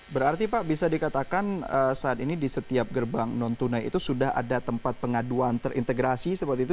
berarti pak bisa dikatakan saat ini di setiap gerbang non tunai itu sudah ada tempat pengaduan terintegrasi seperti itu